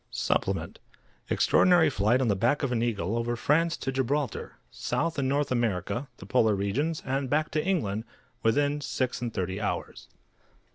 SUPPLEMENT _Extraordinary flight on the back of an eagle, over France to Gibraltar, South and North America, the Polar Regions, and back to England, within six and thirty hours.